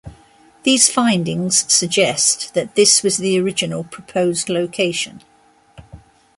These findings suggest that this was the original proposed location.